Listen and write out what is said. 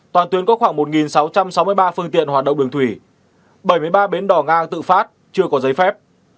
toàn tuyến có khoảng một sáu trăm sáu mươi ba phương tiện hoạt động đường thủy bảy mươi ba bến đỏ ngang tự phát chưa có giấy phép